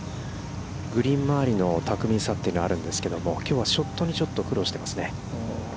グリーン周りの巧みさというのはあるんですけど、きょうはショットにちょっと苦労していますね。